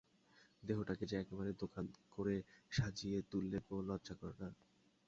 দেহটাকে যে একেবারে দোকান করে সাজিয়ে তুললে গো, লজ্জা করে না!